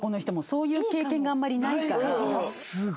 そういう経験があんまりないから。